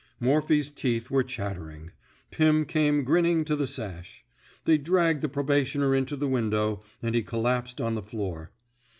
Morphy 's teeth were chattering. Pim came grinning to the sash. They dragged the probationer into the window, and he collapsed on the floor.